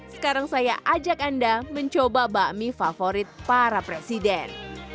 sekarang saya ajak anda mencoba bakmi favorit para presiden